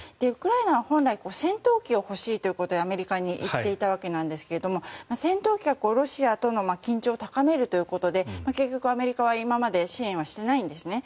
ウクライナは本来戦闘機を欲しいということをアメリカに言っていたわけですが戦闘機がロシアとの緊張を高めるということで結局、アメリカは今まで支援はしていないんです。